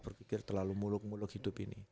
berpikir terlalu muluk muluk hidup ini